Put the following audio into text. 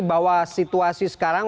bahwa situasi sekarang